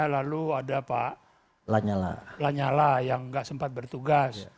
lalu ada pak lanyala yang nggak sempat bertugas